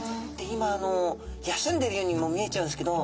今休んでいるようにも見えちゃうんですけど